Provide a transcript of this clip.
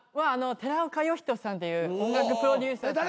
寺岡呼人さんっていう音楽プロデューサーさんに。